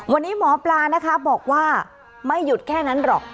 วันนี้หมอปลานะคะบอกว่าไม่หยุดแค่นั้นหรอก